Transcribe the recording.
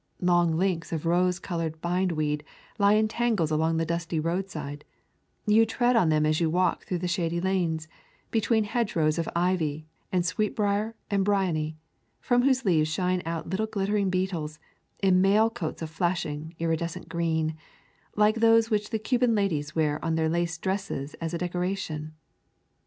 Long links of rose colored bindweed lie in tangles along the dusty roadside; you tread on them as you walk through the shady lanes, between hedge rows of ivy and sweet brier and briony, from whose leaves shine out little glittering beetles, in mail coats of flashing, iridescent green, like those which the Cuban ladies wear on their lace dresses as a decoration.